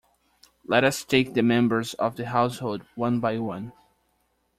Let us take the members of the household one by one.